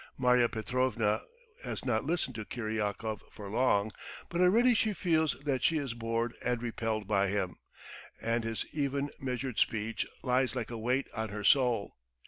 Marya Petrovna has not listened to Kiryakov for long, but already she feels that she is bored and repelled by him, that his even, measured speech lies like a weight on her soul.